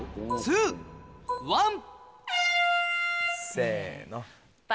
せの。